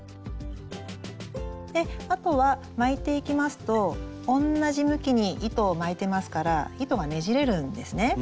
であとは巻いていきますと同じ向きに糸を巻いてますから糸がねじれるんですね。